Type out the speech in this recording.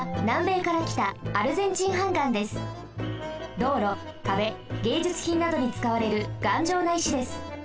どうろかべげいじゅつひんなどにつかわれるがんじょうな石です。